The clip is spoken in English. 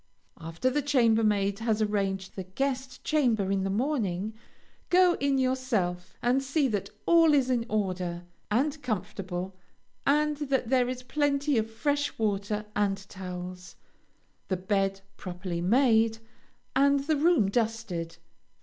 After the chambermaid has arranged the guest chamber in the morning, go in yourself and see that all is in order, and comfortable, and that there is plenty of fresh water and towels, the bed properly made, and the room dusted.